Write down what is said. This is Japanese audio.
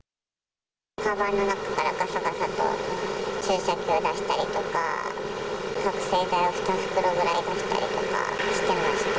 かばんの中からがさがさと、注射器を出したりとか、覚醒剤を２袋くらい出したりとかしてました。